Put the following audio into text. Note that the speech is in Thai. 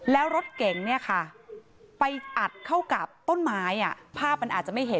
แล้วรถเก๋งเนี่ยค่ะไปอัดเข้ากับต้นไม้ภาพมันอาจจะไม่เห็น